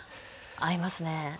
合いますね。